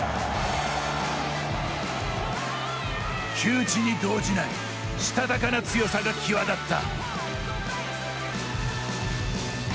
窮地に動じないしたたかな強さが際立った。